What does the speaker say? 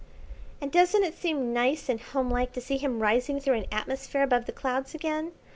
"And doesn't it seem nice and homelike to see him rising through an atmosphere above the clouds again?